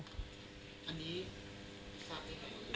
อันนี้ศาสนาอิสลาม